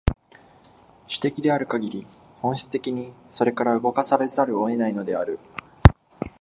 種的であるかぎり、本質的にそれから動かされざるを得ないのである。